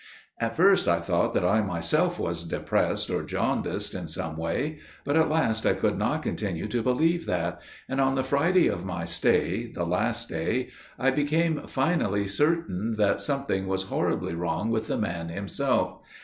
"At first I thought that I myself was depressed or jaundiced in some way; but at last I could not continue to believe that; and on the Friday of my stay, the last day, I became finally certain that something was horribly wrong with the man himself.